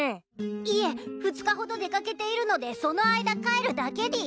いえ２日ほど出掛けているのでその間帰るだけでぃす。